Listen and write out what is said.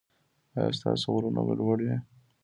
ایا ستاسو غرونه به لوړ وي؟